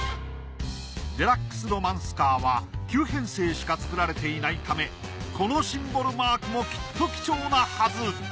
デラックスロマンスカーは９編成しか作られていないためこのシンボルマークもきっと貴重なはず！